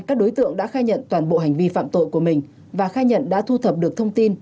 các đối tượng đã khai nhận toàn bộ hành vi phạm tội của mình và khai nhận đã thu thập được thông tin